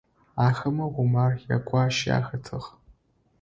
Ахэмэ Умар ягуащи ахэтыгъ.